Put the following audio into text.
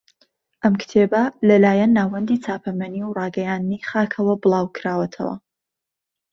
ئەم کتێبە لەلایەن ناوەندی چاپەمەنی و ڕاگەیاندنی خاکەوە بڵاو کراوەتەوە